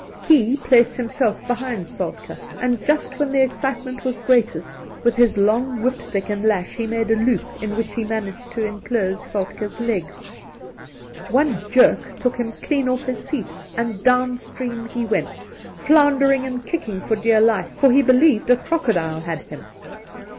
Key placed himself behind Soltk^ and, just when the excitement was greatest, with his long whip stick and lash he made a loop, in which he managed to enclose Soltke's legs. One jerk took him clean off his feet, and down stream he went, floundering and kicking for dear life, for he believed a crocodile had him.